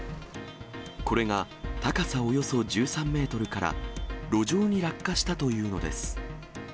これが高さおよそ１３メートルから路上に落下したというのです。